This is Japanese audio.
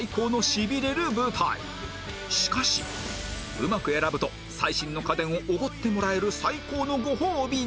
しかしうまく選ぶと最新の家電をおごってもらえる最高のご褒美が！